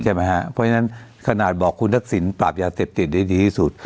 ใช่ไหมฮะเพราะฉะนั้นขนาดบอกคุณทักศิลป์ปราบยาเต็บติดได้ดีที่สุด